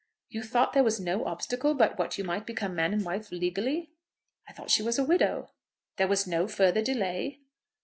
"You thought there was no obstacle but what you might become man and wife legally?" "I thought she was a widow." "There was no further delay?"